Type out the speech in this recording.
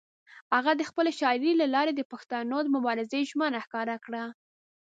هغه د خپلې شاعرۍ له لارې د پښتنو د مبارزې ژمنه ښکاره کړه.